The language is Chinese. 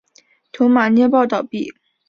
驼马捏报倒毙。